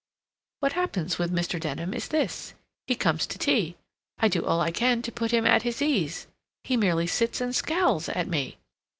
"What happens with Mr. Denham is this: He comes to tea. I do all I can to put him at his ease. He merely sits and scowls at me.